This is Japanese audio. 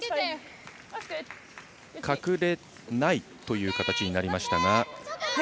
隠れないという形になりましたが。